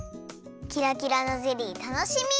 キラキラのゼリーたのしみ！